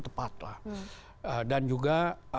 tepatlah dan juga